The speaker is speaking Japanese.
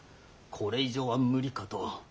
これ以上は無理かと。